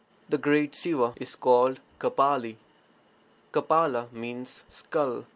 [The great Siva is called Kapali; Kapala meaning 'skull'.